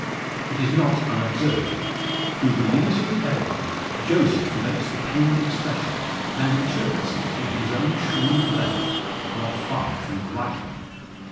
It is not unobserved. Through the leaves of the evergreen Joseph notes the pained expression, and interprets it in his own shrewd way not far from the right one.